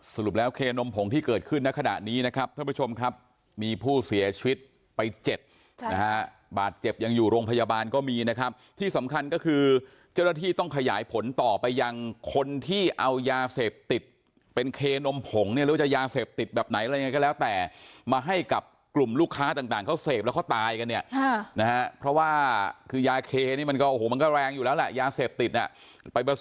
สรุปแล้วเคนมผงที่เกิดขึ้นนะขณะนี้นะครับท่านผู้ชมครับมีผู้เสียชีวิตไปเจ็บนะฮะบาดเจ็บยังอยู่โรงพยาบาลก็มีนะครับที่สำคัญก็คือเจ้าหน้าที่ต้องขยายผลต่อไปยังคนที่เอายาเสพติดเป็นเคนมผงเนี่ยแล้วจะยาเสพติดแบบไหนก็แล้วแต่มาให้กับกลุ่มลูกค้าต่างเขาเสพแล้วเขาตายกันเนี่ยนะฮะเพราะว่